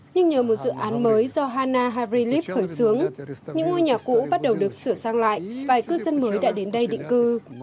nhưng nhờ một dự án mới do hana havrilip khởi xướng những ngôi nhà cũ bắt đầu được sửa sang lại vài cư dân mới đã đến đây định cư